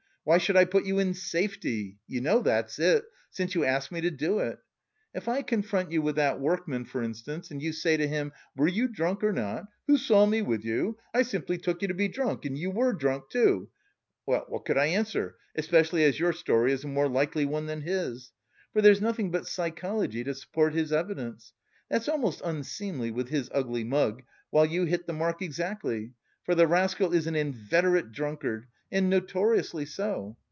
Why should I put you in safety? You know that's it, since you ask me to do it. If I confront you with that workman for instance and you say to him 'were you drunk or not? Who saw me with you? I simply took you to be drunk, and you were drunk, too.' Well, what could I answer, especially as your story is a more likely one than his? for there's nothing but psychology to support his evidence that's almost unseemly with his ugly mug, while you hit the mark exactly, for the rascal is an inveterate drunkard and notoriously so.